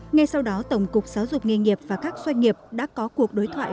ngay sau đó tổng cục giáo dục nghề nghiệp và các doanh nghiệp đã có cuộc đối thoại